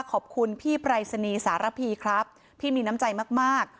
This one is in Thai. ขอบคุณพี่ปรายศนีย์สารพีครับพี่มีน้ำใจมากมาก